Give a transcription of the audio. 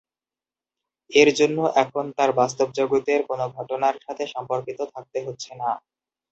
এর জন্য এখন তার বাস্তব জগতের কোন ঘটনার সাথে সম্পর্কিত থাকতে হচ্ছে না।